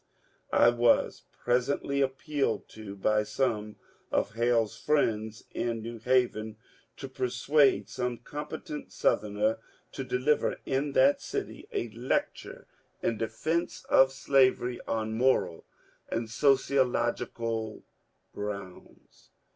1 was pre sently appealed to by some of Hale's friends in New Haven to persuade some competent Southerner to deliver in that city a lecture in defence of slavery on moral and sociological grounds.